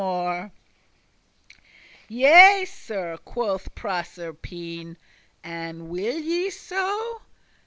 "Yea, Sir," quoth Proserpine," and will ye so?